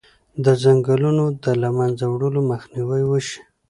د ځنګلونو د له منځه وړلو مخنیوی وشي.